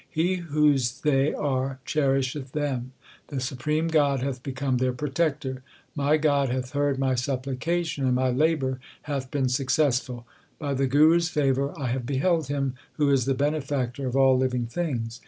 He whose they are cherisheth them ; The supreme God hath become their Protector. My God hath heard my supplication, and my labour hath been successful. By the Guru s favour I have beheld Him Who is the Benefactor of all living things.